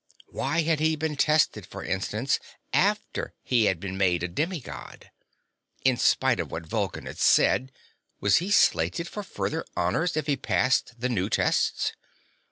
Why had he been tested, for instance, after he had been made a demi God? In spite of what Vulcan had said, was he slated for further honors if he passed the new tests?